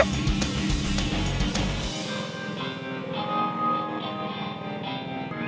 ini damet yuk